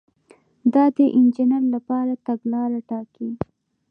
دا د انجینر لپاره تګلاره ټاکي.